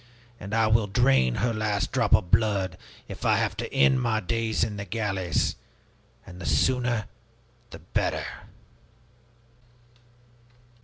And I will drain her last drop of blood, if I have to end my days in the galleys. And the sooner, the better!"